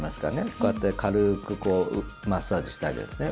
こうやって軽くマッサージしてあげるんですね